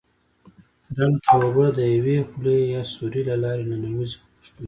ډنډ ته اوبه د یوې خولې یا سوري له لارې ننوزي په پښتو کې.